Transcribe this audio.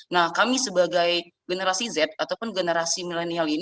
nah kami sebagai generasi z ataupun generasi milenial ini